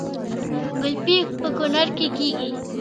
ګلپي په کونړ کې کیږي